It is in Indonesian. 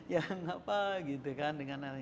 ya enggak apa gitu kan dengan hal ini